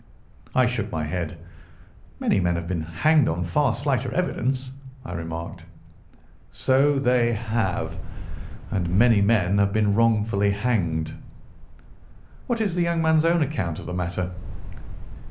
I shook my head. "Many men have been hanged on far slighter evidence," I remarked. "So they have. And many men have been wrongfully hanged." "What is the young man's own account of the matter?"